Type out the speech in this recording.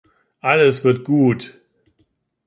Alles wird gut!